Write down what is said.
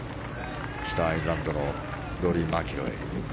北アイルランドのローリー・マキロイ。